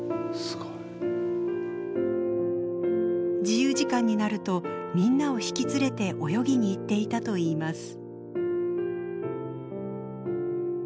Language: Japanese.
自由時間になるとみんなを引き連れて泳ぎに行っていたといいます。